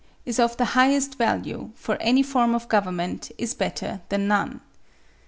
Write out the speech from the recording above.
is of the highest value, for any form of government is better than none.